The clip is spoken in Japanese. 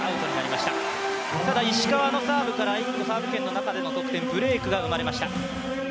ただ、石川のサーブからサーブ権の中での得点、ブレークが生まれました。